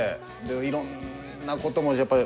いろんなこともやっぱり。